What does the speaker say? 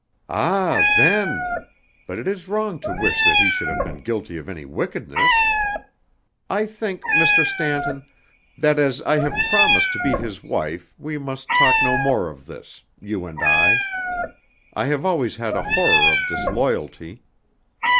"Ah, then! But it is wrong to wish that he should have been guilty of any wickedness. I think, Mr. Stanton, that as I have promised to be his wife we must talk no more of this you and I. I have always had a horror of disloyalty."